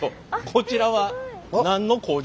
こちらは何の工場？